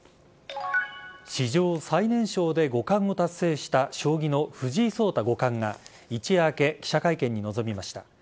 史上最年少で五冠を達成した将棋の藤井聡太五冠が一夜明け、記者会見に臨みました。